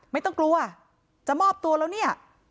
ไม่ต้องกลัวจะมอบตัวแล้วเนี่ย